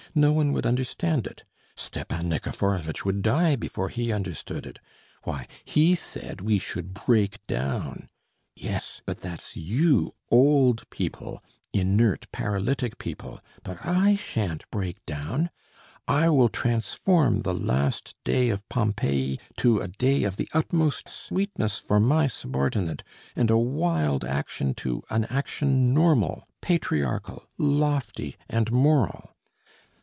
No one would understand it. Stepan Nikiforovitch would die before he understood it. Why, he said we should break down. Yes, but that's you old people, inert, paralytic people; but I shan't break down, I will transform the last day of Pompeii to a day of the utmost sweetness for my subordinate, and a wild action to an action normal, patriarchal, lofty and moral.